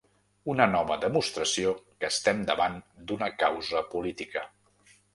Una nova demostració que estem davant d’una causa política.